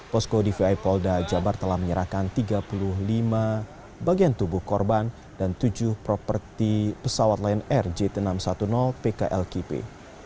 posko dvi polda jabar telah menyerahkan tiga puluh lima bagian tubuh korban dan tujuh properti pesawat lion air jt enam ratus sepuluh pklkp